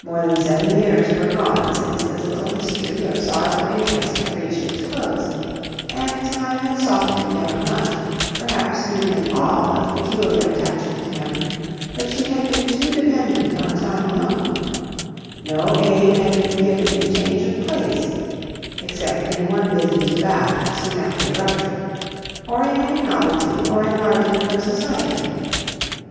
More than seven years were gone since this little history of sorrowful interest had reached its close; and time had softened down much, perhaps nearly all of peculiar attachment to him, but she had been too dependent on time alone; no aid had been given in change of place (except in one visit to Bath soon after the rupture), or in any novelty or enlargement of society.